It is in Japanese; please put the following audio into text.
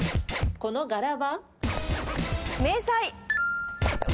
この柄は？